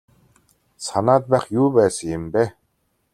Санаад байх юу байсан юм бэ.